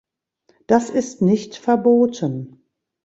Das ist nicht verboten.